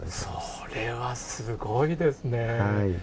それはすごいですね。